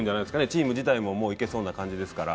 チーム自体も、もういけそうな感じですから。